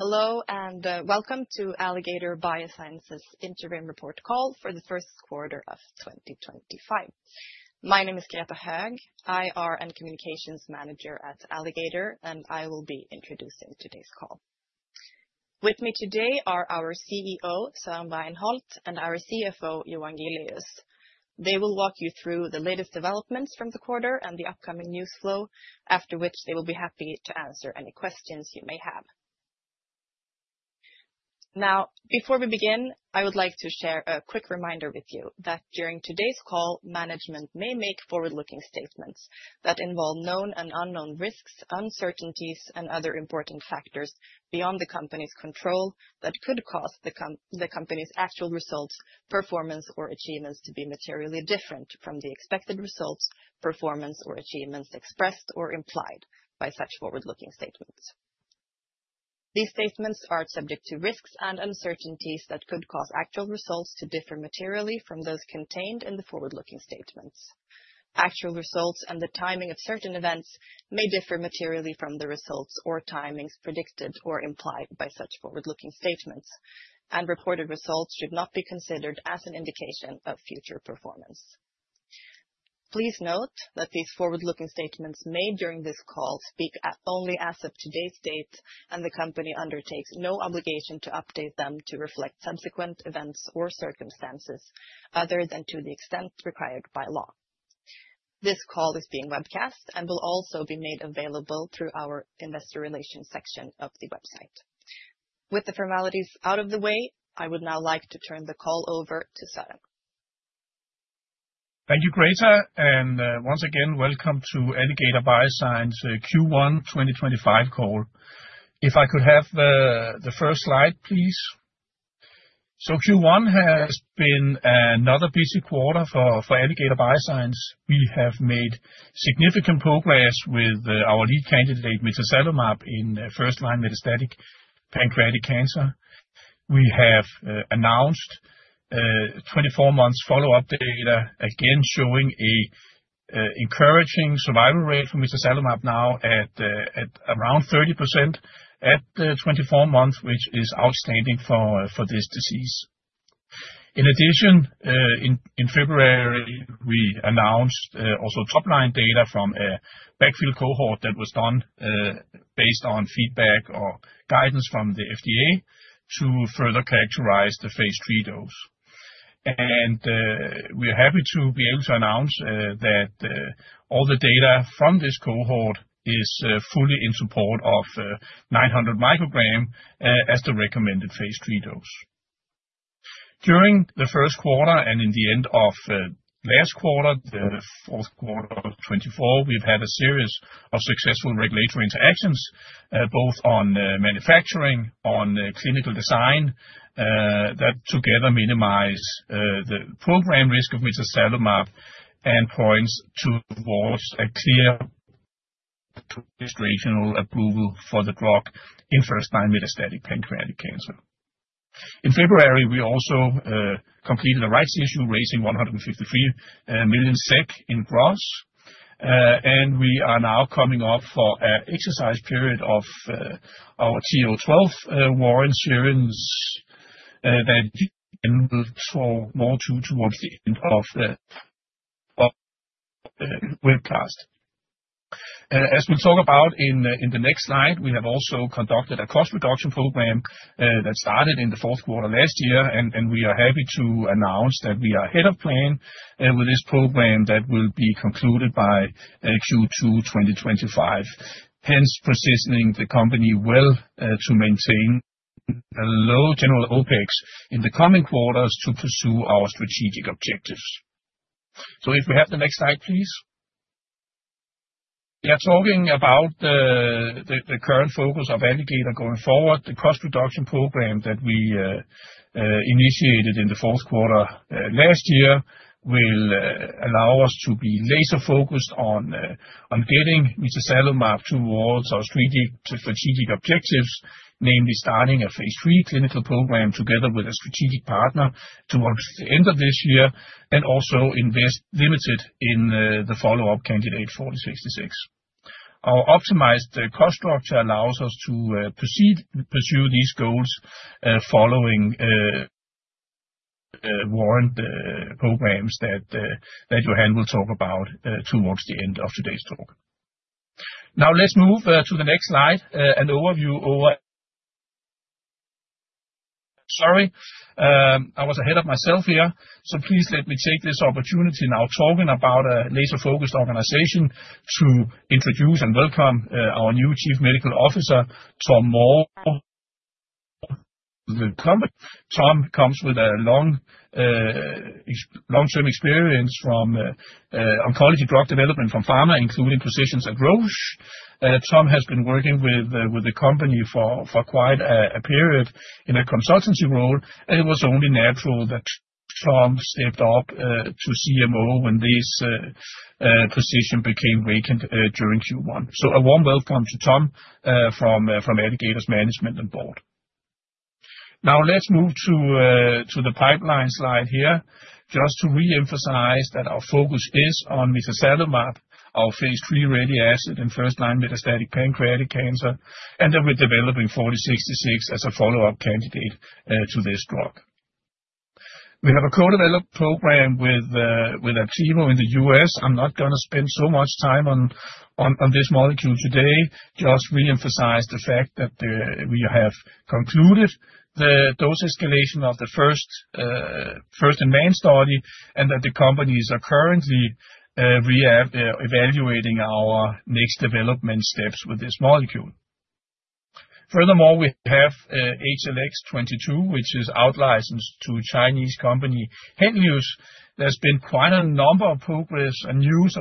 Hello and welcome to Alligator Bioscience's interim report call for the first quarter of 2025. My name is Greta Höög. I am a Communications Manager at Alligator, and I will be introducing today's call. With me today are our CEO, Søren Bregenholt, and our CFO, Johan Giléus. They will walk you through the latest developments from the quarter and the upcoming news flow, after which they will be happy to answer any questions you may have. Now, before we begin, I would like to share a quick reminder with you that during today's call, management may make forward-looking statements that involve known and unknown risks, uncertainties, and other important factors beyond the company's control that could cause the company's actual results, performance, or achievements to be materially different from the expected results, performance, or achievements expressed or implied by such forward-looking statements. These statements are subject to risks and uncertainties that could cause actual results to differ materially from those contained in the forward-looking statements. Actual results and the timing of certain events may differ materially from the results or timings predicted or implied by such forward-looking statements, and reported results should not be considered as an indication of future performance. Please note that these forward-looking statements made during this call speak only as of today's date, and the company undertakes no obligation to update them to reflect subsequent events or circumstances other than to the extent required by law. This call is being webcast and will also be made available through our investor relations section of the website. With the formalities out of the way, I would now like to turn the call over to Søren. Thank you, Greta, and once again, welcome to Alligator Bioscience Q1 2025 call. If I could have the first slide, please. Q1 has been another busy quarter for Alligator Bioscience. We have made significant progress with our lead candidate, mitazalimab, in first-line metastatic pancreatic cancer. We have announced 24-month follow-up data, again showing an encouraging survival rate for mitazalimab now at around 30% at 24 months, which is outstanding for this disease. In addition, in February, we announced also top-line data from a backfill cohort that was done based on feedback or guidance from the FDA to further characterize the phase III dose. We are happy to be able to announce that all the data from this cohort is fully in support of 900 micrograms as the recommended phase III dose. During the first quarter and in the end of last quarter, the fourth quarter of 2024, we've had a series of successful regulatory interactions, both on manufacturing and on clinical design, that together minimize the program risk of mitazalimab and point towards a clear administration approval for the drug in first-line metastatic pancreatic cancer. In February, we also completed a rights issue raising 153 million SEK in gross, and we are now coming up for an exercise period of our TO 12 warrant series that we will show more to towards the end of the webcast. As we'll talk about in the next slide, we have also conducted a cost reduction program that started in the fourth quarter last year, and we are happy to announce that we are ahead of plan with this program that will be concluded by Q2 2025, hence positioning the company well to maintain a low general OpEx in the coming quarters to pursue our strategic objectives. If we have the next slide, please. Yeah, talking about the current focus of Alligator going forward, the cost reduction program that we initiated in the fourth quarter last year will allow us to be laser-focused on getting mitazalimab towards our strategic objectives, namely starting a phase III clinical program together with a strategic partner towards the end of this year and also invest limited in the follow-up candidate 4066. Our optimized cost structure allows us to pursue these goals following warrant programs that Johan will talk about towards the end of today's talk. Now, let's move to the next slide, an overview over. Sorry, I was ahead of myself here, please let me take this opportunity now talking about a laser-focused organization to introduce and welcome our new Chief Medical Officer, Tom Moore. Tom comes with a long-term experience from oncology drug development from pharma, including positions at Roche. Tom has been working with the company for quite a period in a consultancy role, and it was only natural that Tom stepped up to CMO when this position became vacant during Q1. A warm welcome to Tom from Alligator's management and board. Now, let's move to the pipeline slide here just to reemphasize that our focus is on mitazalimab, our phase III ready asset in first-line metastatic pancreatic cancer, and that we're developing 4066 as a follow-up candidate to this drug. We have a co-developed program with a team in the United States. I'm not going to spend so much time on this molecule today, just reemphasize the fact that we have concluded the dose escalation of the first-in-man study and that the companies are currently evaluating our next development steps with this molecule. Furthermore, we have HLX22, which is outlicensed to a Chinese company, Henlius. There's been quite a number of progress and news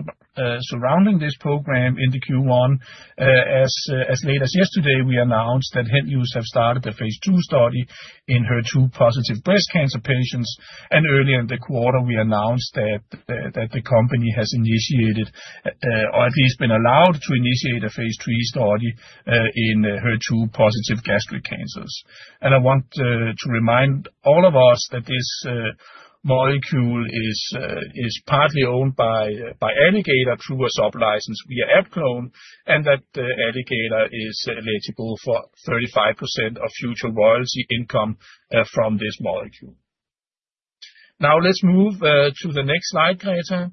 surrounding this program in Q1. As late as yesterday, we announced that Henlius have started the phase II study in HER2-positive breast cancer patients, and earlier in the quarter, we announced that the company has initiated, or at least been allowed to initiate, a phase III study in HER2-positive gastric cancers. I want to remind all of us that this molecule is partly owned by Alligator through a sub-license via AppClone, and that Alligator is eligible for 35% of future royalty income from this molecule. Now, let's move to the next slide, Greta,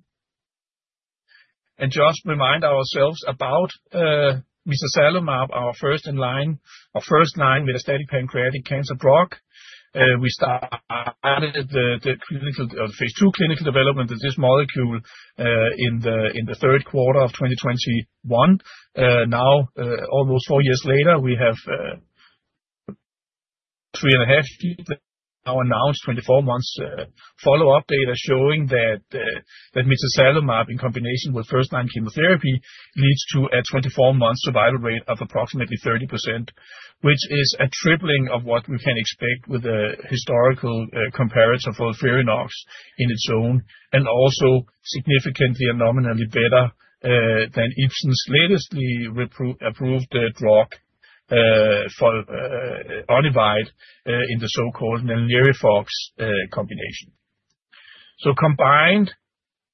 and just remind ourselves about mitazalimab, our first-line metastatic pancreatic cancer drug. We started the phase II clinical development of this molecule in the third quarter of 2021. Now, almost four years later, we have three and a half years now announced 24-month follow-up data showing that mitazalimab in combination with first-line chemotherapy leads to a 24-month survival rate of approximately 30%, which is a tripling of what we can expect with a historical comparator FOLFIRINOX on its own, and also significantly and nominally better than Ipsen's latest approved drug Onivyde in the so-called NALIRIFOX combination. Combined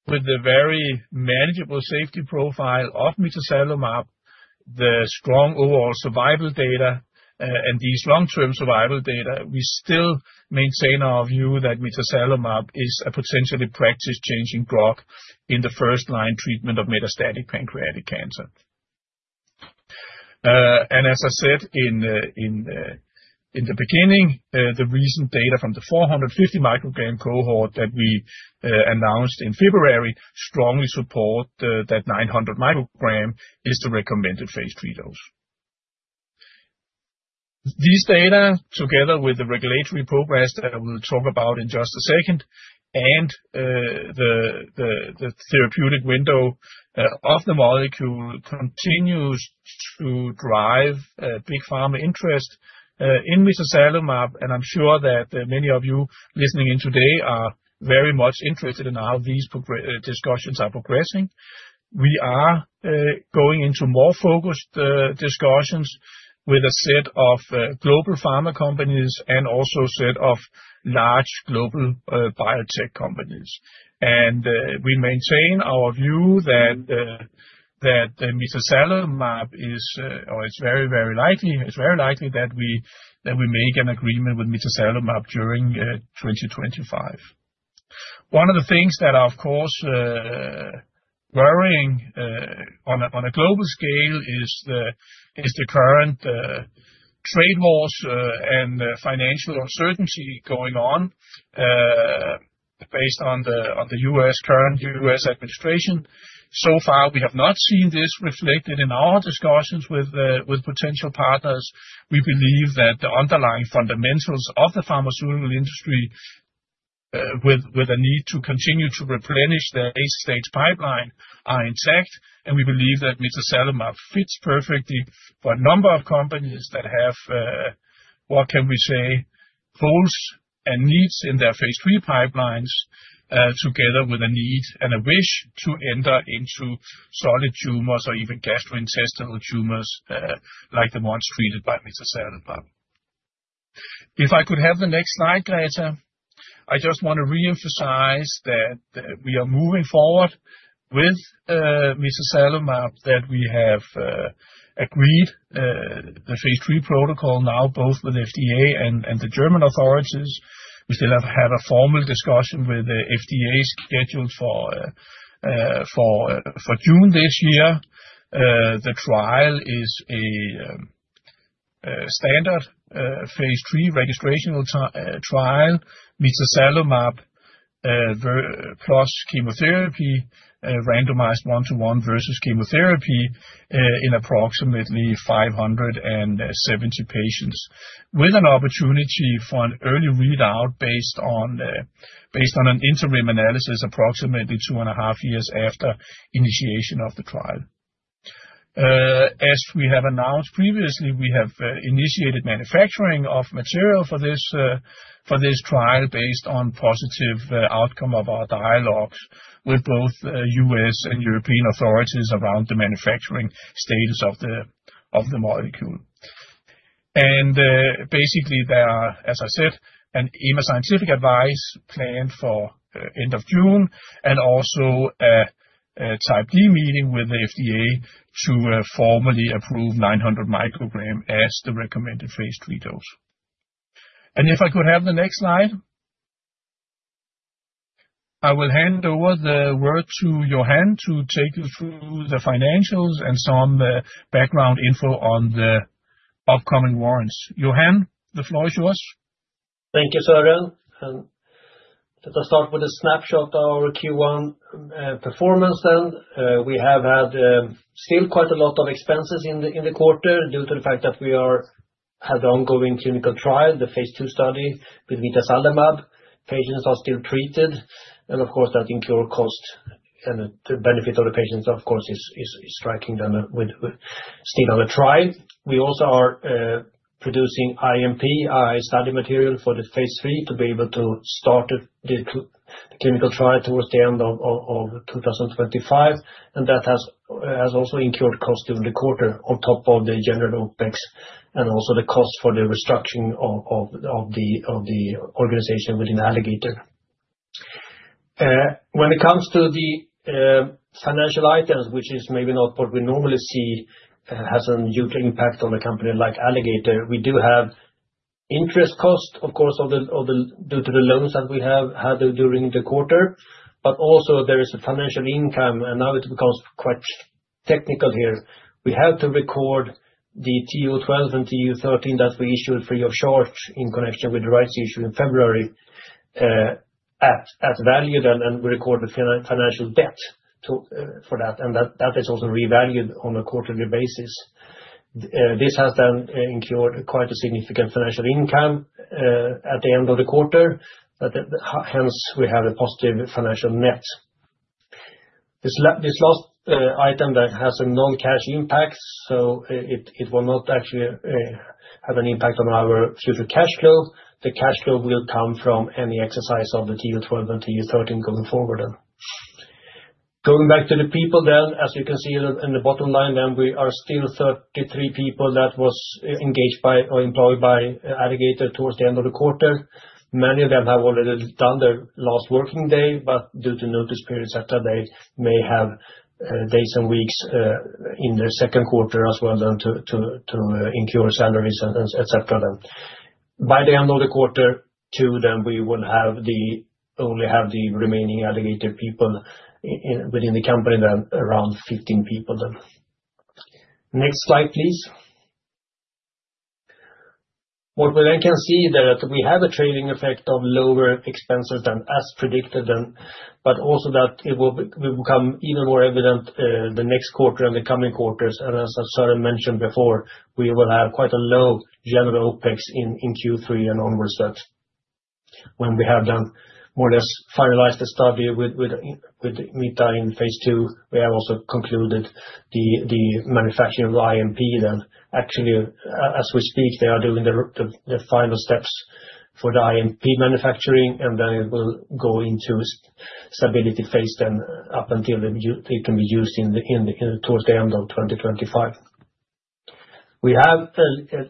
with the very manageable safety profile of mitazalimab, the strong overall survival data, and these long-term survival data, we still maintain our view that mitazalimab is a potentially practice-changing drug in the first-line treatment of metastatic pancreatic cancer. As I said in the beginning, the recent data from the 450 microgram cohort that we announced in February strongly support that 900 microgram is the recommended phase III dose. These data, together with the regulatory progress that we'll talk about in just a second, and the therapeutic window of the molecule continues to drive big pharma interest in mitazalimab, and I'm sure that many of you listening in today are very much interested in how these discussions are progressing. We are going into more focused discussions with a set of global pharma companies and also a set of large global biotech companies. We maintain our view that mitazalimab is, or it's very, very likely, it's very likely that we make an agreement with mitazalimab during 2025. One of the things that are, of course, worrying on a global scale is the current trade wars and financial uncertainty going on based on the current U.S. administration. So far, we have not seen this reflected in our discussions with potential partners. We believe that the underlying fundamentals of the pharmaceutical industry, with a need to continue to replenish the late-stage pipeline, are intact, and we believe that mitazalimab fits perfectly for a number of companies that have, what can we say, goals and needs in their phase III pipelines, together with a need and a wish to enter into solid tumors or even gastrointestinal tumors like the ones treated by mitazalimab. If I could have the next slide, Greta, I just want to reemphasize that we are moving forward with mitazalimab, that we have agreed the phase III protocol now, both with the FDA and the German authorities. We still have had a formal discussion with the FDA scheduled for June this year. The trial is a standard phase III registration trial, methacillimab plus chemotherapy, randomized one-to-one versus chemotherapy in approximately 570 patients, with an opportunity for an early readout based on an interim analysis approximately two and a half years after initiation of the trial. As we have announced previously, we have initiated manufacturing of material for this trial based on positive outcome of our dialogues with both U.S. and European authorities around the manufacturing status of the molecule. Basically, there are, as I said, an email scientific advice planned for end of June and also a type D meeting with the FDA to formally approve 900 microgram as the recommended phase III dose. If I could have the next slide, I will hand over the word to Johan to take you through the financials and some background info on the upcoming warrants. Johan, the floor is yours. Thank you, Søren. Let us start with a snapshot of our Q1 performance then. We have had still quite a lot of expenses in the quarter due to the fact that we have the ongoing clinical trial, the phase II study with mitazalimab. Patients are still treated, and of course, that incurred cost and the benefit of the patients, of course, is striking them with still on the trial. We also are producing IMP, study material for the phase III to be able to start the clinical trial towards the end of 2025, and that has also incurred cost during the quarter on top of the general opex and also the cost for the restructuring of the organization within Alligator. When it comes to the financial items, which is maybe not what we normally see has a huge impact on a company like Alligator, we do have interest cost, of course, due to the loans that we have had during the quarter, but also there is a financial income, and now it becomes quite technical here. We have to record the TO 12 and TO 13 that we issued free of charge in connection with the rights issue in February at value then, and we record the financial debt for that, and that is also revalued on a quarterly basis. This has then incurred quite a significant financial income at the end of the quarter, hence we have a positive financial net. This last item that has a non-cash impact, so it will not actually have an impact on our future cash flow. The cash flow will come from any exercise of the TO 12 and TO 13 going forward. Going back to the people then, as you can see in the bottom line then, we are still 33 people that were engaged by or employed by Alligator towards the end of the quarter. Many of them have already done their last working day, but due to notice period, etc., they may have days and weeks in their second quarter as well to incur salaries, etc. By the end of the quarter too, then we will only have the remaining Alligator people within the company then, around 15 people then. Next slide, please. What we then can see is that we have a trailing effect of lower expenses than as predicted, but also that it will become even more evident the next quarter and the coming quarters. As I mentioned before, we will have quite a low general OpEx in Q3 and onwards. When we have then more or less finalized the study with Meta in phase II, we have also concluded the manufacturing of IMP. Actually, as we speak, they are doing the final steps for the IMP manufacturing, and then it will go into stability phase up until it can be used towards the end of 2025. We have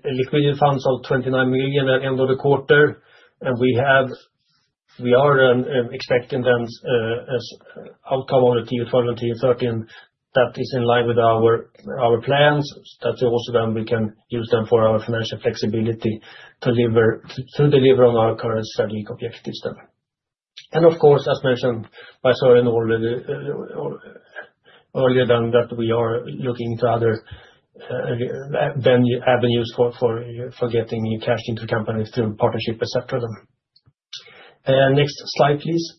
liquidity funds of 29 million at the end of the quarter, and we are expecting outcome of the TO 12 and TO 13 that is in line with our plans, that also then we can use them for our financial flexibility to deliver on our current strategic objectives. Of course, as mentioned by Søren earlier, we are looking into other avenues for getting cash into companies through partnership, etc. Next slide, please.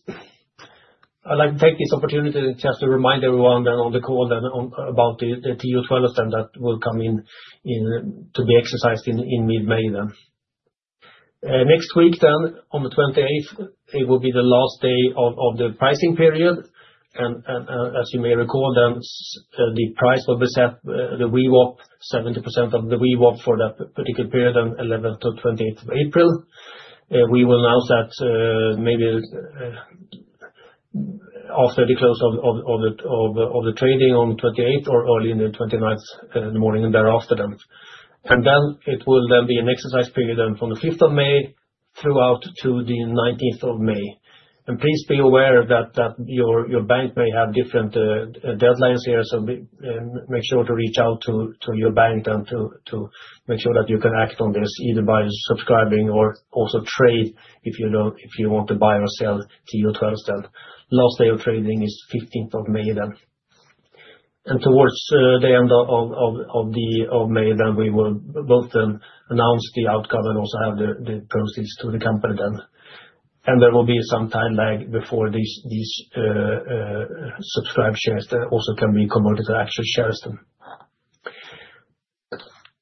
I'd like to take this opportunity just to remind everyone then on the call then about the TO 12s then that will come in to be exercised in mid-My then. Next week then, on the 28th, it will be the last day of the pricing period, and as you may recall then, the price will be set, the VWAP, 70% of the VWAP for that particular period, then 11th to 28th of April. We will announce that maybe after the close of the trading on the 28th or early in the 29th in the morning and thereafter then. It will then be an exercise period then from the 5th of May throughout to the 19th of May. Please be aware that your bank may have different deadlines here, so make sure to reach out to your bank to make sure that you can act on this either by subscribing or also trade if you want to buy or sell TO 12s. Last day of trading is 15th of May. Towards the end of May, we will both announce the outcome and also have the proceeds to the company. There will be some time lag before these subscribed shares also can be converted to actual shares.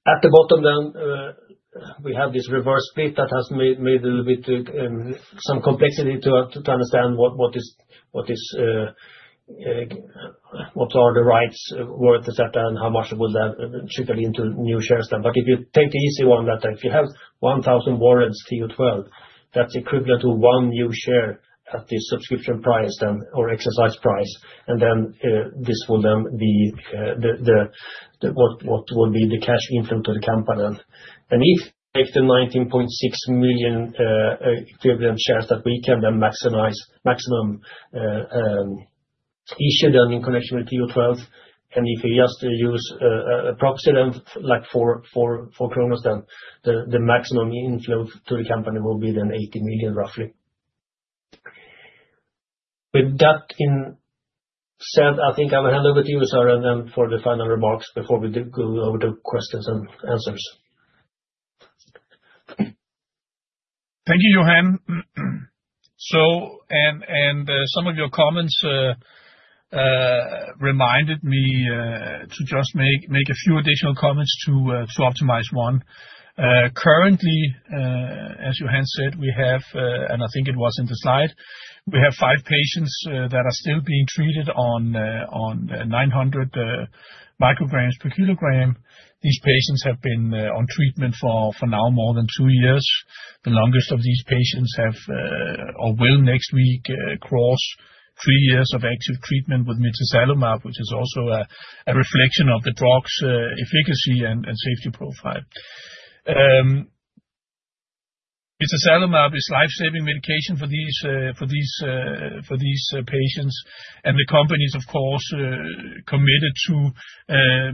At the bottom, we have this reverse bit that has made a little bit some complexity to understand what are the rights, worth, etc., and how much will that trickle into new shares. If you take the easy one that if you have 1,000 warrants TO 12, that's equivalent to one new share at this subscription price or exercise price, and this will be the cash inflow to the company. If you take the 19.6 million equivalent shares that we can then maximum issue in connection with TO 12, and if you just use a proxy like for SEK, the maximum inflow to the company will be 80 million roughly. With that said, I think I will hand over to you, Søren, for the final remarks before we go over to questions and answers. Thank you, Johan. Some of your comments reminded me to just make a few additional comments to optimize one. Currently, as Johan said, we have, and I think it was in the slide, we have five patients that are still being treated on 900 micrograms per kilogram. These patients have been on treatment for now more than two years. The longest of these patients have, or will next week cross three years of active treatment with mitazalimab, which is also a reflection of the drug's efficacy and safety profile. Mitazalimab is lifesaving medication for these patients, and the company is, of course, committed to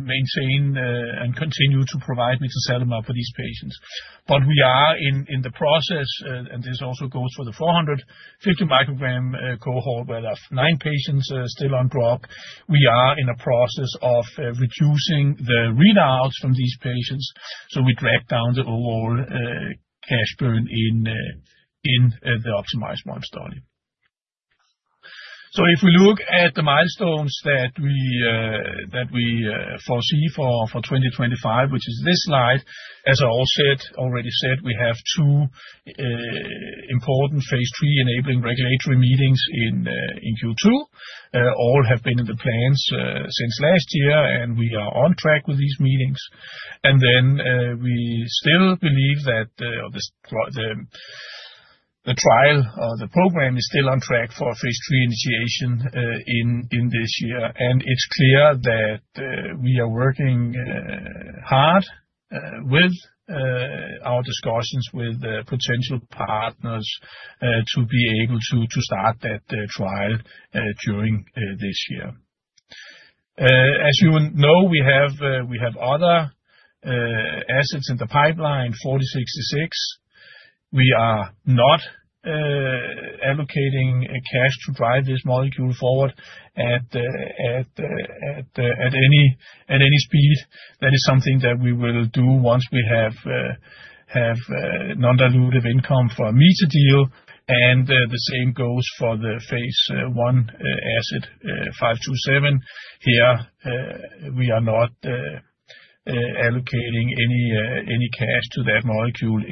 maintain and continue to provide mitazalimab for these patients. We are in the process, and this also goes for the 450 microgram cohort where there are nine patients still on drug. We are in a process of reducing the readouts from these patients, so we drag down the overall cash burn in the optimized warm study. If we look at the milestones that we foresee for 2025, which is this slide, as I already said, we have two important phase III enabling regulatory meetings in Q2. All have been in the plans since last year, and we are on track with these meetings. We still believe that the trial or the program is still on track for phase III initiation in this year. It is clear that we are working hard with our discussions with potential partners to be able to start that trial during this year. As you know, we have other assets in the pipeline, 4066. We are not allocating cash to drive this molecule forward at any speed. That is something that we will do once we have non-dilutive income for a meter deal. The same goes for the phase I asset, 527. Here, we are not allocating any cash to that molecule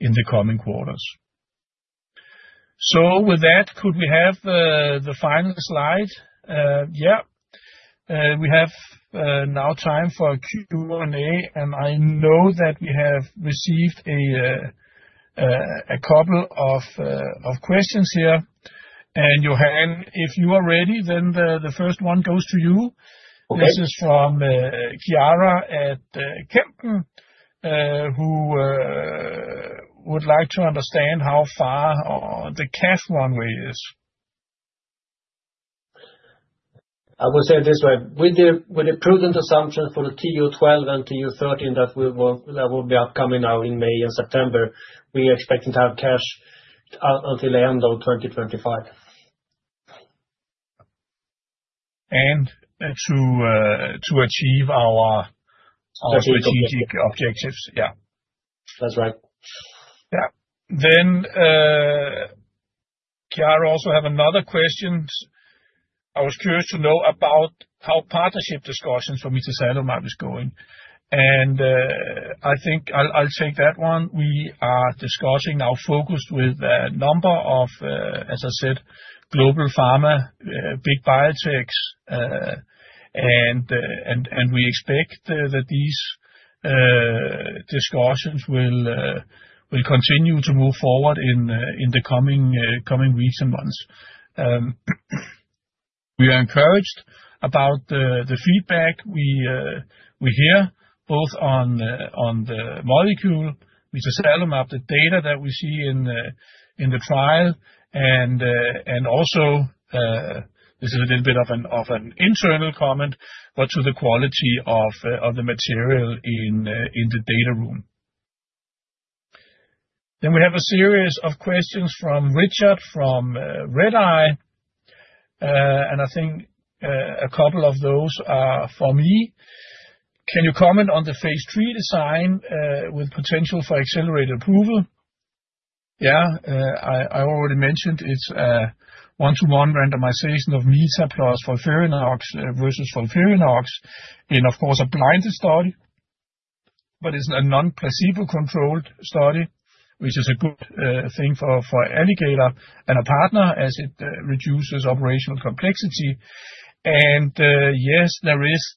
in the coming quarters. With that, could we have the final slide? Yeah. We have now time for Q&A, and I know that we have received a couple of questions here. Johan, if you are ready, then the first one goes to you. This is from Chiara at Kempen, who would like to understand how far the cash runway is. I will say it this way. With the prudent assumption for the TO 12 and TO 13 that will be upcoming now in May and September, we are expecting to have cash until the end of 2025. To achieve our strategic objectives. That's right. Yeah. Chiara also has another question. I was curious to know about how partnership discussions for methacillimab is going. I think I'll take that one. We are discussing our focus with a number of, as I said, global pharma, big biotechs, and we expect that these discussions will continue to move forward in the coming weeks and months. We are encouraged about the feedback we hear both on the molecule, methacillimab, the data that we see in the trial, and also, this is a little bit of an internal comment, but to the quality of the material in the data room. We have a series of questions from Richard from Redeye, and I think a couple of those are for me. Can you comment on the phase III design with potential for accelerated approval? Yeah. I already mentioned it's a one-to-one randomization of FOLFIRINOX versus FOLFIRINOX in, of course, a blinded study, but it's a non-placebo-controlled study, which is a good thing for Alligator and a partner as it reduces operational complexity. Yes, there is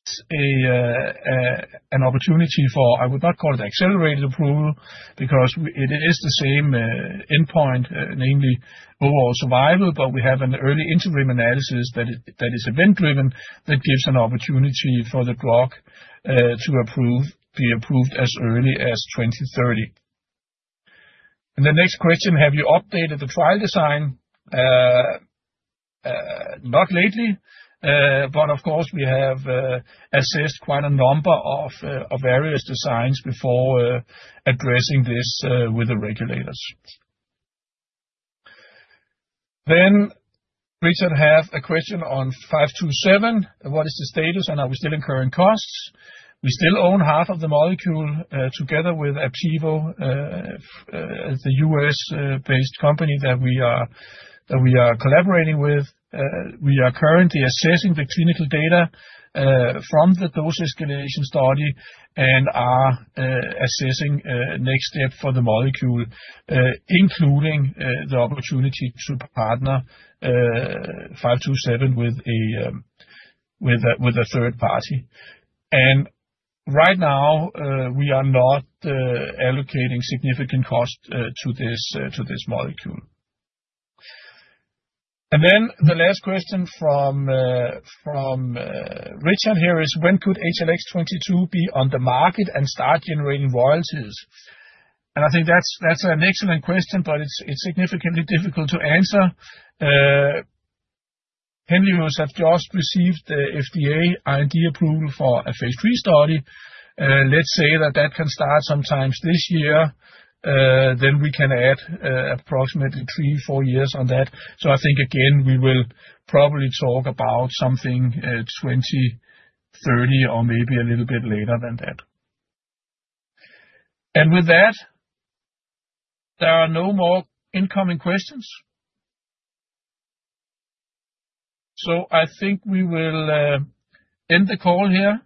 an opportunity for, I would not call it accelerated approval, because it is the same endpoint, namely overall survival, but we have an early interim analysis that is event-driven that gives an opportunity for the drug to be approved as early as 2030. The next question, have you updated the trial design? Not lately, but of course, we have assessed quite a number of various designs before addressing this with the regulators. Richard has a question on 527. What is the status and are we still incurring costs? We still own half of the molecule together with Aptivo, the U.S.-based company that we are collaborating with. We are currently assessing the clinical data from the dose escalation study and are assessing next step for the molecule, including the opportunity to partner 527 with a third party. Right now, we are not allocating significant cost to this molecule. The last question from Richard here is, when could HLX22 be on the market and start generating royalties? I think that's an excellent question, but it's significantly difficult to answer. Henlius has just received the FDA IND approval for a phase III study. Let's say that that can start sometime this year, we can add approximately three-four years on that. I think, again, we will probably talk about something 2030 or maybe a little bit later than that. There are no more incoming questions. I think we will end the call here.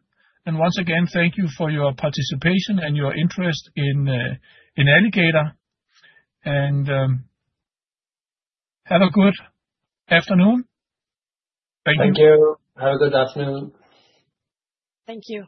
Once again, thank you for your participation and your interest in Alligator. Have a good afternoon. Thank you. Thank you. Have a good afternoon. Thank you.